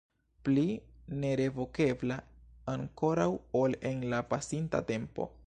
Pli nerevokebla ankoraŭ ol en la pasinta tempo.